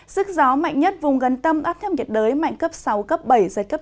sức gió mạnh nhất vùng gần tâm áp thấp nhiệt đới mạnh cấp sáu cấp bảy giật cấp chín